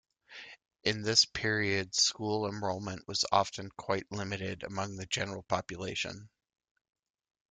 In this period school enrollment was often quite limited among the general population.